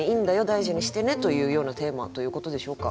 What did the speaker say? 大事にしてねというようなテーマということでしょうか。